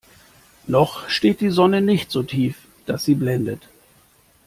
Noch steht die Sonne nicht so tief, dass sie blendet.